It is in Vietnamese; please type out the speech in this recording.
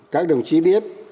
các đồng chí biết